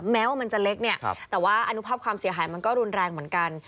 แม้ว่ามันจะเล็กเนี่ยแต่ว่าอนุภาพความเสียหายมันก็รุนแรงเหมือนกัน